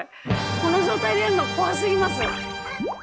この状態でやるのは怖すぎます。